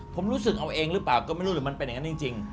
ผมรู้สึกเอาเองหรือเปล่าก็ไม่รู้หรือมันเป็นอย่างนั้นจริง